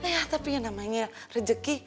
ya tapi namanya rejeki